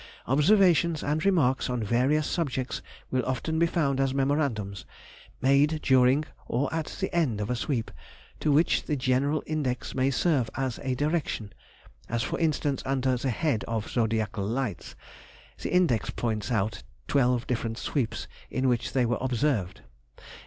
Observations and remarks on various subjects will often be found as memorandums, made during or at the end of a sweep, to which the general index may serve as a direction—as for instance under the head of zodiacal lights—the index points out twelve different sweeps in which they were observed.